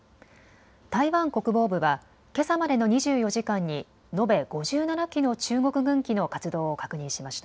台湾国防部はけさまでの２４時間に延べ５７機の中国軍機の活動を確認しました。